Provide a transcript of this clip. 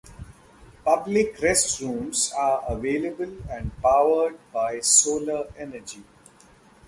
Public restrooms are available and powered by solar energy.